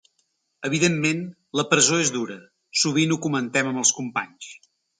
Evidentment, la presó és dura, sovint ho comentem amb els companys.